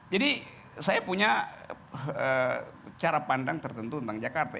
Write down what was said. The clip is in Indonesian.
jadi saya punya cara pandang tertentu tentang jakarta